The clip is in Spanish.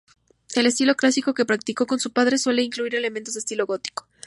El estilo clásico que practicó con su padre suele incluir elementos de estilo gótico.